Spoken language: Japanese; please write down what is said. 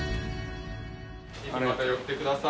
ぜひまた寄ってください。